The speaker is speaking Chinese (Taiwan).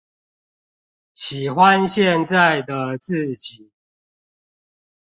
喜歡現在的自己